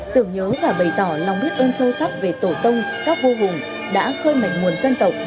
tưởng nhớ và bày tỏ lòng biết ơn sâu sắc về tổ tông các vua hùng đã khơi mạnh nguồn dân tộc